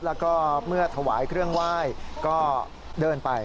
แล้วก็เมื่อถวายเครื่องไหว้ก็เดินไป